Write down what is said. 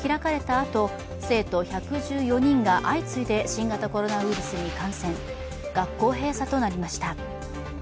あと生徒１１４人が相次いで新型コロナウイルスの感染、学校閉鎖となりました。